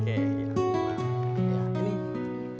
ini makasih ya